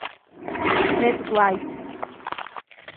Fred White